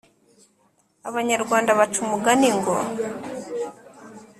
Abanyarwanda baca umugani ngo